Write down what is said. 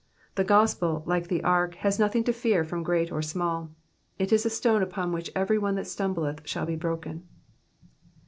The gospel, like the ark, has nothing to fear from ffreat or small ; it is a stone upon which every one that stumbleth shall be broken.